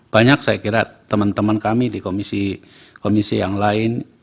banyak saya kira teman teman kami di komisi yang lain